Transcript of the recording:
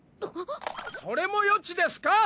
それも予知ですか！？